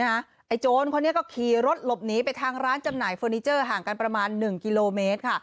ไอ้โจรคนนี้ก็ขี่รถหลบหนีไปทางร้านจำหน่ายเฟอร์นิเจอร์ห่างกันประมาณ๑กิโลเมตรค่ะ